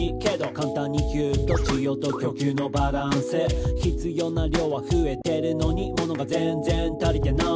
「カンタンに言うと需要と供給のバランス」「必要な量は増えてるのに物が全然足りてない！」